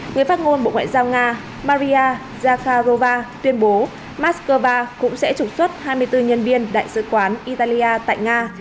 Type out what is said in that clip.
người phát ngôn bộ ngoại giao nga maria zakharova tuyên bố moscow cũng sẽ trục xuất hai mươi bốn nhân viên đại sứ quán italia tại nga